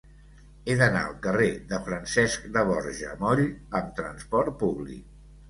He d'anar al carrer de Francesc de Borja Moll amb trasport públic.